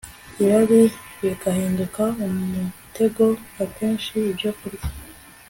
irari bigahinduka umutego Akenshi ibyokurya